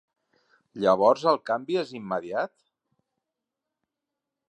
Llavors el canvi és immediat?